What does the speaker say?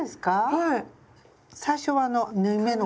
はい。